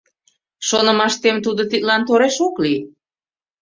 Шонымаштем, тудо тидлан тореш ок лий.